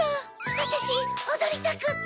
わたしおどりたくって。